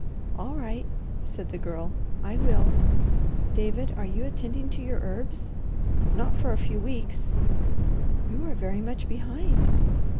"All right," said the Girl, "I will. David are you attending to your herbs?" "Not for a few weeks." "You are very much behind?"